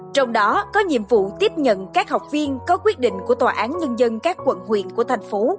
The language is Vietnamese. trong đó có nhiệm vụ tiếp nhận các học viên có quyết định của tòa án nhân dân các quận huyện của thành phố